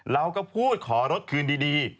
เราก็พูดขอรถคืนดี